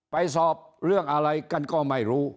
สอบเรื่องอะไรกันก็ไม่รู้